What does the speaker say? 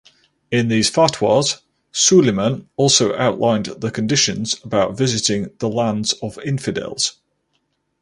In these fatwas Suleiman also outlined the conditions about visiting the lands of infidels.